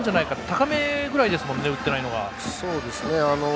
高めぐらいですもんね打ってないのが。